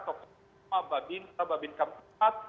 toko rumah babi babi kampus